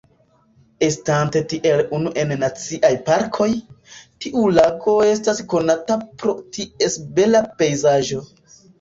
Estante tiel unu en naciaj parkoj, tiu lago estas konata pro ties bela pejzaĝo.